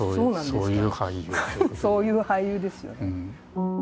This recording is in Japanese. そういう俳優ですよね。